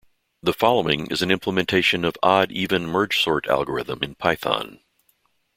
The following is an implementation of odd-even mergesort algorithm in Python.